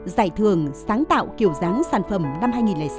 giải thưởng sáng tạo kiểu dáng sản phẩm năm hai nghìn sáu